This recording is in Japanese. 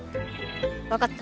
わかった。